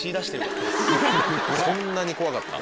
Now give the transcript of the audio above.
そんなに怖かった。